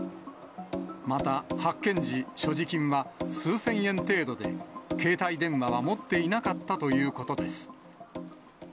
また、発見時、所持金は数千円程度で、携帯電話は持っていなかったということです。